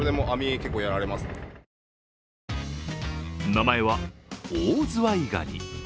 名前は、オオズワイガニ。